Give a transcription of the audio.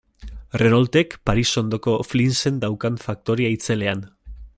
Renaultek Paris ondoko Flinsen daukan faktoria itzelean.